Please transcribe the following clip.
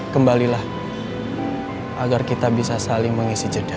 kembalilah agar kita bisa saling mengisi jeda